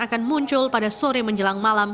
akan muncul pada sore menjelang malam